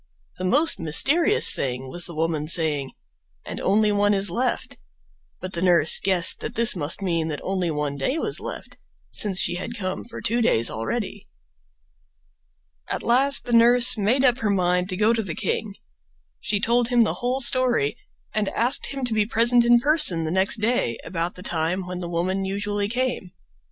The most mysterious thing was the woman saying "and only one is left"; but the nurse guessed that this must mean that only one day was left, since she had come for two days already. At last the nurse made up her mind to go to the king. She told him the whole story and asked him to be present in person the next day about the time when the woman usually came.